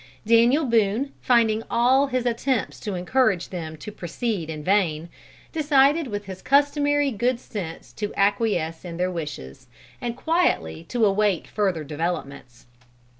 Daniel Boone, finding all his attempts to encourage them to proceed in vain, decided with his customary good sense to acquiesce in their wishes, and quietly to await further developments.